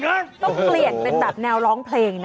ปรับเปลี่ยกเป็นดับแนวร้องเพลง